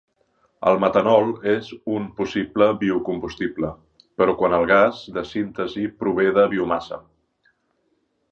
El metanol és un possible biocombustible, però quan el gas de síntesi prové de biomassa.